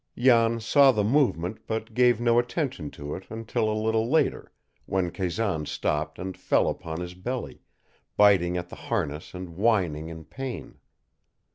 Jan saw the movement but gave no attention to it until a little later, when Kazan stopped and fell upon his belly, biting at the harness and whining in pain.